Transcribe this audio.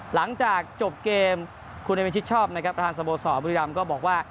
หลังจากจบเกมคุณเอมิชิดชอบนะครับประธานสโมสรบุรีรำก็บอกว่า